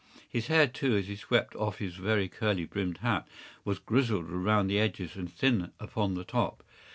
His hair, too, as he swept off his very curly brimmed hat, was grizzled round the edges and thin upon the top.